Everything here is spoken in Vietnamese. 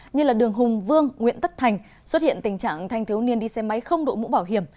như đường hùng vương nguyễn tất thành xuất hiện tình trạng thanh thiếu niên đi xe máy không đội mũ bảo hiểm